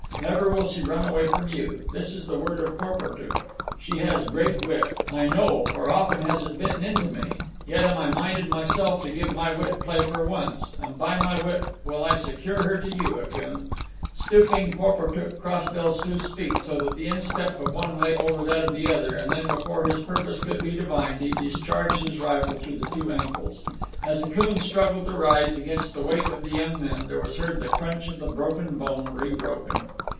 Never will she run away from you—this is the word of Porportuk. She has great wit. I know, for often has it bitten into me. Yet am I minded myself to give my wit play for once. And by my wit will I secure her to you, Akoon." Stooping, Porportuk crossed El Soo's feet, so that the instep of one lay over that of the other; and then, before his purpose could be divined, he discharged his rifle through the two ankles. As Akoon struggled to rise against the weight of the young men, there was heard the crunch of the broken bone rebroken.